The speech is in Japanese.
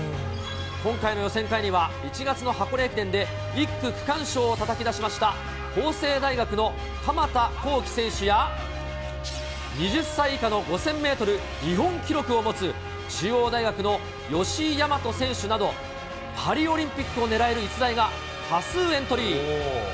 今回の予選会には、１月の箱根駅伝で１区区間賞をたたき出しました法政大学の鎌田こうき選手や、２０歳以下の５０００メートル日本記録を持つ、中央大学の吉居大和選手など、パリオリンピックを狙える逸材が多数エントリー。